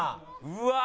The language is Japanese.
うわ。